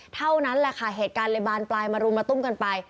เท่านั้นแหละค่ะเหตุการณ์เลยบานปลายมารุมมาตุ้มกันไป